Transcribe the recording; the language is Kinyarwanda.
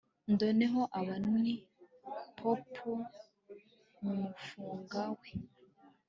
noneho aba ni popup mumufunga we